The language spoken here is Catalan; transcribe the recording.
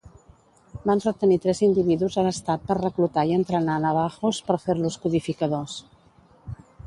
Van retenir tres individus a l'estat per reclutar i entrenar navahos per fer-los codificadors.